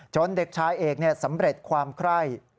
เด็กชายเอกสำเร็จความไคร่